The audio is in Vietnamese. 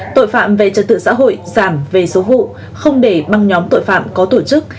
tội phạm về trật tự xã hội giảm về số vụ không để băng nhóm tội phạm có tổ chức